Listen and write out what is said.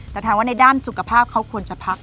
แต่ถามว่าในด้านสุขภาพเขาควรจะพัก